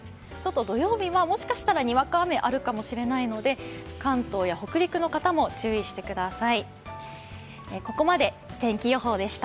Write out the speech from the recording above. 土曜日、もしかしたらにわか雨があるかもしれないので関東や北陸の方も注意してください。